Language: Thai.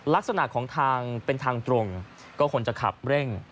ลักษณะของทางเป็นทางตรงก็ควรจะขับเร่ง